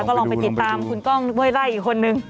ก็ลองไปติดตามคุณกล้องห้วยไล่อีกคนนึง